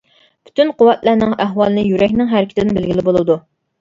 پۈتۈن قۇۋۋەتلەرنىڭ ئەھۋالىنى يۈرەكنىڭ ھەرىكىتىدىن بىلگىلى بولىدۇ.